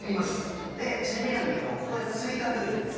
でちなみになんだけどここで追加ルールです。